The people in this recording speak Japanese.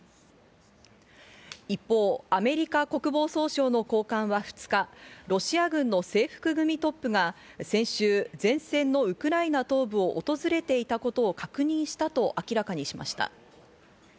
一方、アメリカ国防総省の高官は２日、ロシア軍の制服組トップが先週、前線のウクライナ東部を訪れていたことを確認したと明らかにしました。